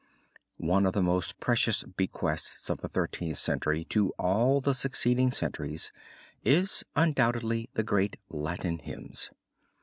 One of the most precious bequests of the Thirteenth Century to all the succeeding centuries is undoubtedly the great Latin hymns.